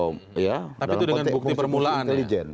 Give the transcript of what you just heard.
tapi itu dengan bukti permulaan